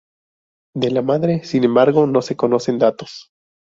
De la madre, sin embargo, no se conocen datos.